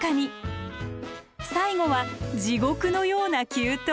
最後は地獄のような急登。